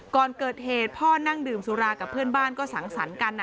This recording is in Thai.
ก่อนเกิดเหตุพ่อนั่งดื่มสุรากับเพื่อนบ้านก็สังสรรค์กัน